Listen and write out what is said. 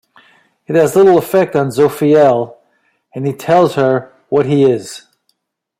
It has little effect on Zophael, and he tells her what he is.